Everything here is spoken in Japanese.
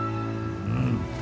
うん。